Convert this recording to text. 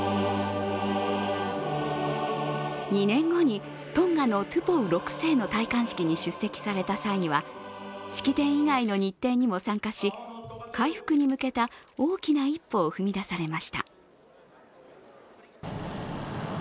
２年後にトンガのトゥポウ６世の戴冠式に出席された際には式典以外の日程にも参加し回復に向けた大きな一歩を海外王室の戴冠式。